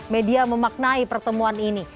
media memaknai pertemuan ini